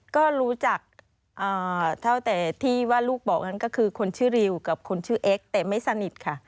ก็รู้จักเท่าแต่ที่ว่าลูกบอกนั้นก็คือคนชื่อริวกับคนชื่อเอ็กซ์แต่ไม่สนิทค่ะ